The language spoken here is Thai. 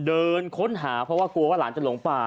เดินค้นหาเพราะว่ากลัวว่าหลานจะหลงป่า